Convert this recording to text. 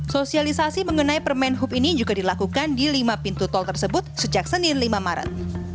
sosialisasi mengenai permen hub ini juga dilakukan di lima pintu tol tersebut sejak senin lima maret